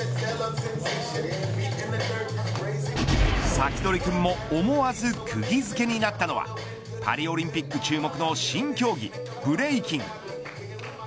サキドリくんも思わずくぎ付けになったのはパリオリンピック注目の新競技ブレイキン。